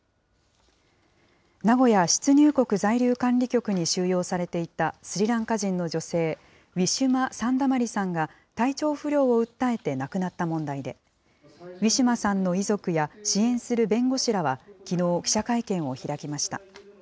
名古屋出入国在留管理局に収容されていたスリランカ人の女性、ウィシュマ・サンダマリさんが体調不良を訴えて亡くなった問題で、ウィシュマさんの遺族や支援する弁護士らはきのう、記者会見を開きました。